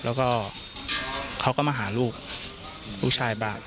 แล้วก็เขาก็มาหาลูกลูกชายบ้าง